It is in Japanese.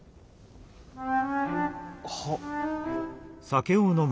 はっ。